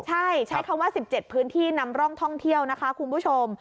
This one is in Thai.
ใช่ใช้คำว่า๑๗พื้นที่นำร่องท่องเที่ยวนะคะคุณผู้ชม